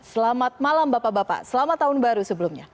selamat malam bapak bapak selamat tahun baru sebelumnya